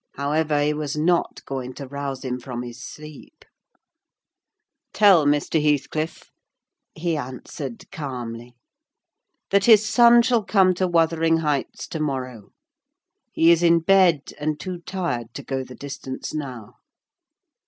However, he was not going to rouse him from his sleep. "Tell Mr. Heathcliff," he answered calmly, "that his son shall come to Wuthering Heights to morrow. He is in bed, and too tired to go the distance now.